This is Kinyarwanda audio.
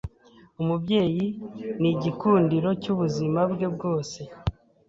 Umubyeyi ni igikundiro cyubuzima bwe bwose.